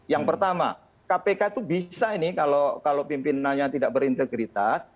yang pertama kpk itu bisa ini kalau pimpinannya tidak berintegritas